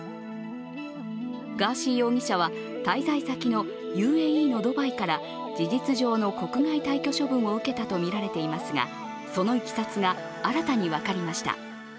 ガーシー容疑者は滞在先のＵＡＥのドバイから事実上の国外退去処分を受けたとみられていますがそのいきさつが新たに分かりました。